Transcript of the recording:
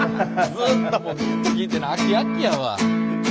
ずっとだもん聞いてるの飽き飽きやわ。